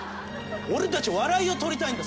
俺たち笑いをとりたいんだ。